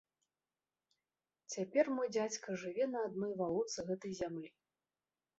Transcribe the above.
Цяпер мой дзядзька жыве на адной валоцы гэтай зямлі.